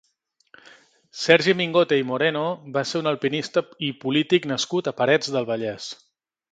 Sergi Mingote i Moreno va ser un alpinista i polític nascut a Parets del Vallès.